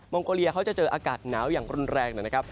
งโกเลียเขาจะเจออากาศหนาวอย่างรุนแรงนะครับ